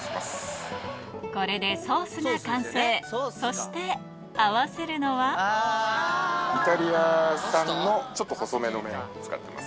これでソースが完成そして合わせるのはちょっと細めの麺。